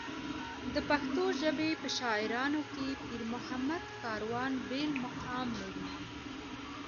د پښتو ژبې په شاعرانو کې پېرمحمد کاروان بېل مقام لري.